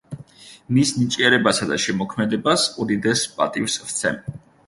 მის ნიჭიერებასა და შემოქმედებას უდიდეს პატივს ვცემ.